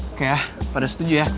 oke ya pada setuju ya